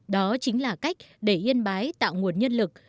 đó chính là cách để yên bái tạo nguồn nhân lực